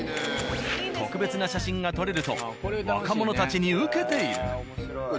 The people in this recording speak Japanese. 特別な写真が撮れると若者たちにウケている。